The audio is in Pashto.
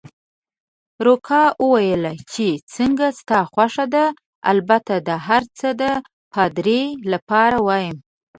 روکا وویل: چې څنګه ستا خوښه ده، البته دا هرڅه د پادري لپاره وایم.